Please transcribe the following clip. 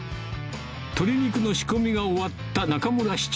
鶏肉の仕込みが終わった中村士長